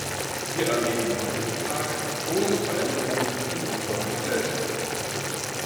Wir erleben heutzutage große Veränderungen in unserer Gesellschaft.